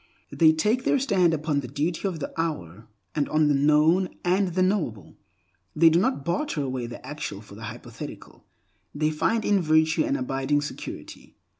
They take their stand upon the duty of the hour, and on the known and the knowable. They do not barter away the actual for the hypothetical. They find in virtue an abiding security.